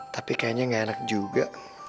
tapi kayaknya gak enak juga